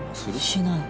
しない。